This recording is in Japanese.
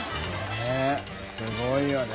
ねぇすごいよね。